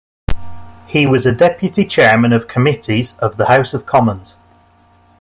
He was a Deputy Chairman of Committees of the House of Commons.